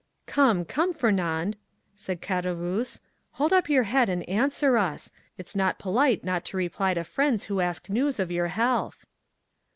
Come, come, Fernand," said Caderousse, "hold up your head, and answer us. It's not polite not to reply to friends who ask news of your health."